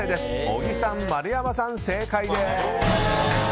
小木さん、丸山さん、正解です。